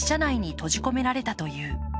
閉じ込められたという。